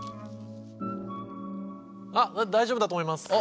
大丈夫だと思います。